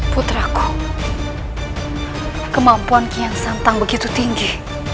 putraku kemampuan kian santang begitu tinggi